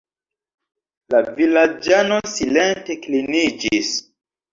La vilaĝano silente kliniĝis.